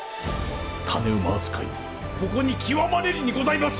種馬扱いもここに極まれりにございます！